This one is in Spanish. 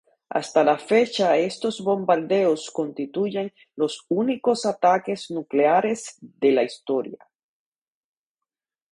Hasta la fecha estos bombardeos constituyen los únicos ataques nucleares de la historia.